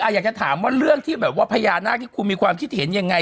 อยากจะถามว่าเรื่องที่แบบว่าพญานาคที่คุณมีความคิดเห็นยังไง